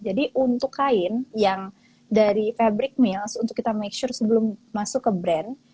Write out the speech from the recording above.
jadi untuk kain yang dari fabric mills untuk kita make sure sebelum masuk ke brand